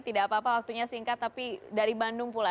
tidak apa apa waktunya singkat tapi dari bandung pula